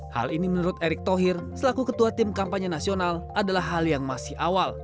hal ini menurut erick thohir selaku ketua tim kampanye nasional adalah hal yang masih awal